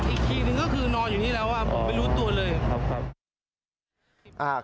อีกคทีหนึ่งก็คือนอนอยู่นี่แล้วอ่ะผมไปรู้ตัวเลย